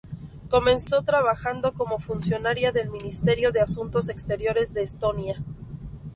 Comenzó trabajando como funcionaria del Ministerio de Asuntos Exteriores de Estonia.